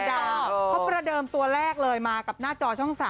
เขาประเดิมตัวแรกเลยมากับหน้าจอช่อง๓